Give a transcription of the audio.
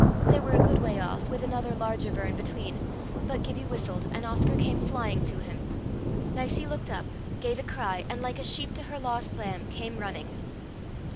They were a good way off, with another larger burn between; but Gibbie whistled, and Oscar came flying to him. Nicie looked up, gave a cry, and like a sheep to her lost lamb came running.